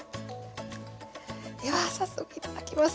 では早速いただきます。